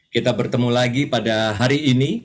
kita bertemu lagi pada hari ini